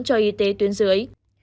cho y tế tuyến dưới